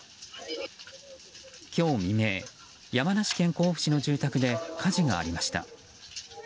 今日未明、山梨県甲府市の住宅で火事がありました。